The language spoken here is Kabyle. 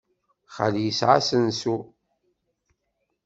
Xali yesɛa asensu.